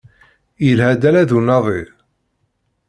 Yelha-d ala d unadi.